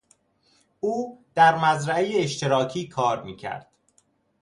او در مزرعهی اشتراکی کار میکرد.